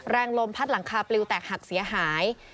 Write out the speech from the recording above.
ลมพัดหลังคาปลิวแตกหักเสียหาย